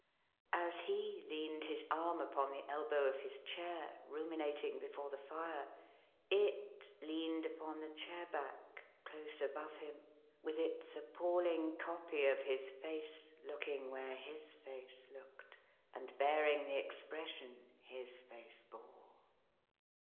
As he leaned his arm upon the elbow of his chair, ruminating before the fire, it leaned upon the chair back, close above him, with its appalling copy of his face looking where his face looked, and bearing the expression his face bore.